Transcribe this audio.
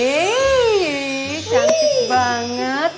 eeeh cantik banget